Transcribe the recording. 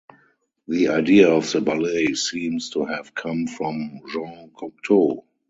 The idea of the ballet seems to have come from Jean Cocteau.